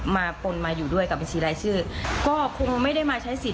ปนมาอยู่ด้วยกับบัญชีรายชื่อก็คงไม่ได้มาใช้สิทธิ